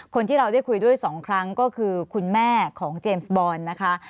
คนที่เราได้คุยด้วย๒ครั้งก็คือคุณแม่ของเจมส์บอลนะคะ